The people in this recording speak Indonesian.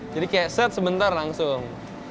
jadi kayak set sebentar langsung